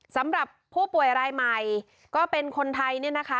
สำหรับผู้ป่วยรายใหม่ก็เป็นคนไทยเนี่ยนะคะ